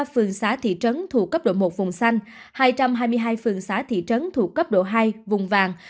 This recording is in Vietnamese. hai trăm tám mươi ba phường xã thị trấn thuộc cấp độ một vùng xanh hai trăm hai mươi hai phường xã thị trấn thuộc cấp độ hai vùng vàng